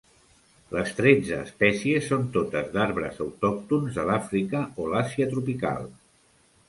Les tretze espècies són totes d'arbres autòctons de l'Àfrica o l'Àsia tropical.